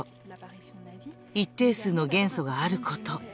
一定数の元素があること。